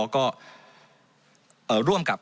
ก็ร่วมกับ